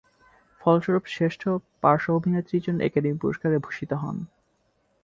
ফলস্বরুপ শ্রেষ্ঠ পার্শ্ব অভিনেত্রীর জন্য একাডেমি পুরস্কার-এ ভূষিত হন।